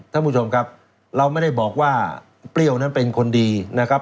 ท่านผู้ชมครับเราไม่ได้บอกว่าเปรี้ยวนั้นเป็นคนดีนะครับ